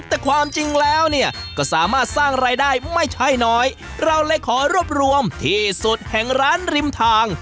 แต่ความจริงแล้วเนี่ยก็สามารถสร้างรายได้ไม่ใช่น้อยเราเลยขอรวบรวมที่สุดแห่งร้านริมทาง